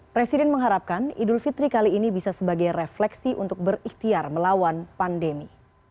presiden mengharapkan idul fitri kali ini bisa sebagai refleksi untuk berikhtiar melawan pandemi